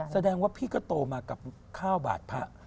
แสดงว่าพี่ก็โตมากับข้าวบาดพระ